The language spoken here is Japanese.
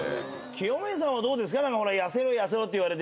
清宮さんはどうですか？